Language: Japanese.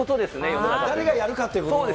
誰がやるかということで。